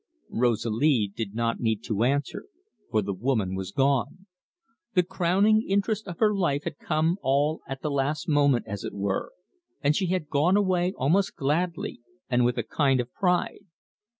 Rosalie did not need to answer, for the woman was gone. The crowning interest of her life had come all at the last moment, as it were, and she had gone away almost gladly and with a kind of pride.